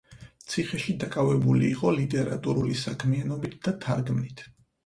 ციხეში დაკავებული იყო ლიტერატურული საქმიანობით და თარგმნით.